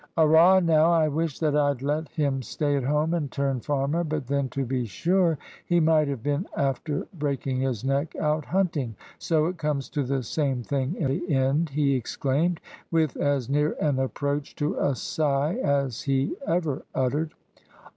"Arrah now; I wish that I'd let him stay at home and turn farmer; but then, to be sure, he might have been after breaking his neck out hunting, so it comes to the same thing in the end," he exclaimed, with as near an approach to a sigh as he ever uttered.